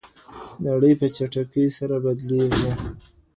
نړۍ په چټکۍ سره بدلیږي.